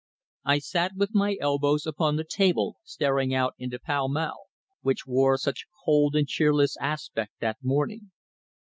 I sat with my elbows upon the table staring out into Pall Mall, which wore such a cold and cheerless aspect that morning.